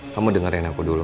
kamu dengerin aku dulu